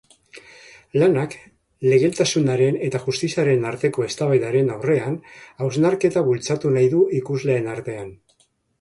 Lanak legaltasunaren eta justiziaren arteko eztabaidaren aurrean hausnarketa bultzatu nahi du ikusleen artean.